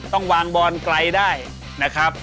ต้องวางบอลไกลได้นะครับ